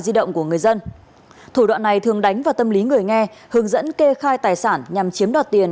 thủ đoạn của người dân thủ đoạn này thường đánh vào tâm lý người nghe hướng dẫn kê khai tài sản nhằm chiếm đoạt tiền